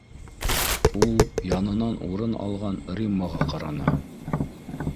— Ул янынан урын алған Риммаға ҡараны